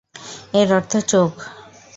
এর অর্থ চোখ।